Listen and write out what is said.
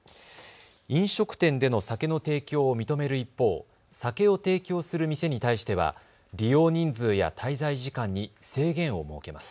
飲食店での酒の提供を認める一方、酒を提供する店に対しては利用人数や滞在時間に制限を設けます。